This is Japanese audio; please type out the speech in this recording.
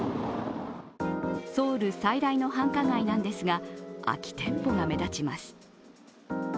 ソウル最大の繁華街なんですが空き店舗が目立ちます。